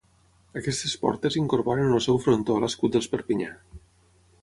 Aquestes portes incorporen en el seu frontó l'escut dels Perpinyà.